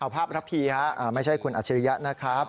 ผภพระภีค่ะไม่ใช่คุณอาชิริยะนะครับ